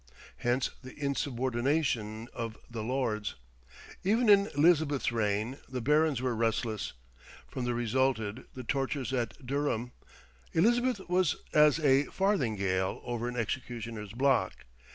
Hence the insubordination of the Lords. Even in Elizabeth's reign the barons were restless. From this resulted the tortures at Durham. Elizabeth was as a farthingale over an executioner's block.